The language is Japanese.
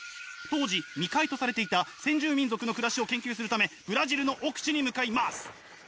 当時未開とされていた先住民族の暮らしを研究するためブラジルの奥地に向かいます！